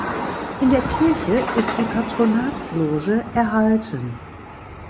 In der Kirche ist die Patronatsloge erhalten.